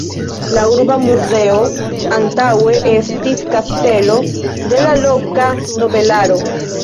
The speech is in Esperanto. La urba muzeo antaŭe estis kastelo de la loka nobelaro.